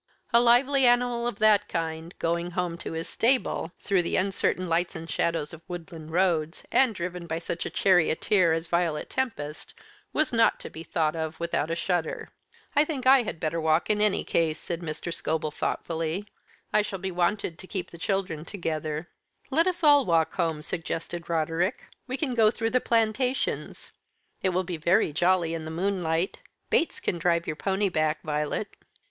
A lively animal of that kind, going home to his stable, through the uncertain lights and shadows of woodland roads, and driven by such a charioteer as Violet Tempest, was not to be thought of without a shudder. "I think I had better walk, in any case," said Mr. Scobel thoughtfully. "I shall be wanted to keep the children together." "Let us all walk home," suggested Roderick. "We can go through the plantations. It will be very jolly in the moonlight. Bates can drive your pony back, Violet."